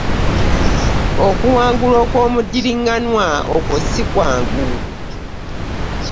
Okuwangula okw'omuddiriŋŋanwa okwo si kwangu.